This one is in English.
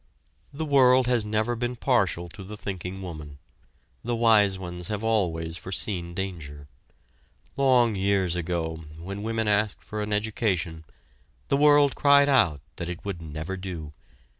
The world has never been partial to the thinking woman the wise ones have always foreseen danger. Long years ago, when women asked for an education, the world cried out that it would never do.